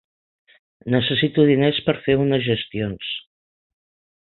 Necessito diners per fer unes gestions.